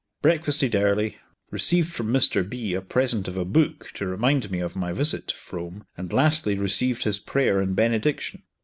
Breakfasted early, received from Mr B. a present of a book to remind me of my visit to Frome, and lastly received his prayer and benediction.